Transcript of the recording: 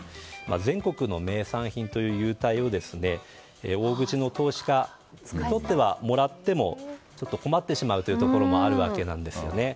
全国の名産品という優待を大口の投資家にとってはもらっても困ってしまうところもあるわけなんですよね。